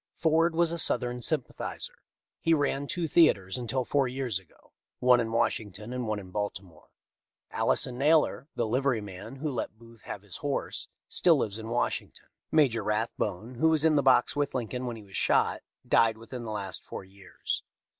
Ford was a Southern sympathizer. He ran two theatres until four years ago, one in Washington and one in Baltimore. Alison Naylor, 'the livery man who let Booth have his horse, still lives in Washington. Major Rathbone, who was in the box with Lincoln when he was shot, died within the last four years.